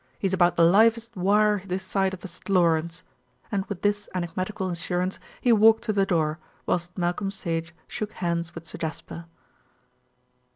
He's about the livest wire this side of the St. Lawrence," and with this enigmatical assurance, he walked to the door, whilst Malcolm Sage shook hands with Sir Jasper.